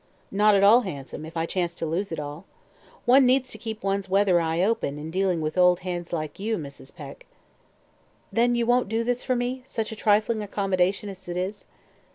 "Not at all handsome, if I chance to lose it all. One needs to keep one's weather eye open, in dealing with old hands like you, Mrs. Peck." "Then you won't do this for me such a trifling accommodation as it is?"